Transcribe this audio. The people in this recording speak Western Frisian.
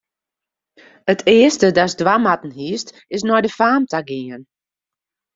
It earste datst dwaan moatten hiest, is nei de faam ta gean.